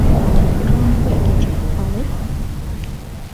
Эрла могай кече, палет?